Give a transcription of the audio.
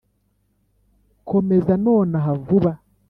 komeza nonaha, vuba!